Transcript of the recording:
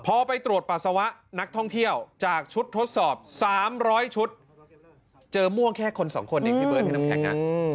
พอไปตรวจปัสสาวะนักท่องเที่ยวจากชุดทดสอบ๓๐๐ชุดเจอม่วงแค่คนสองคนเองพี่เบิร์ดพี่น้ำแข็ง